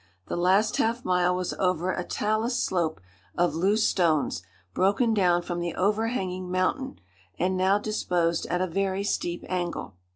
The last half mile was over a talus slope of loose stones, broken down from the overhanging mountain, and now disposed at a very steep angle.